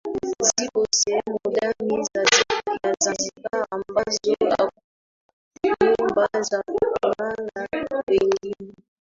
Zipo sehemu ndani ya Zanzibar ambazo hakuna nyumba za kulala wageni